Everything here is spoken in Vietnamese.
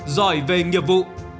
giỏi về nhiệm vụ